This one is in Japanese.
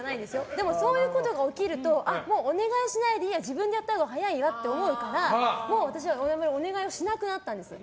でもそういうことが起きるとお願いしないでいいや自分でやったほうが早いわって思うからもう私はお願いをしなくなったんですよ。